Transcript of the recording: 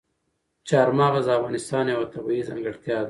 چار مغز د افغانستان یوه طبیعي ځانګړتیا ده.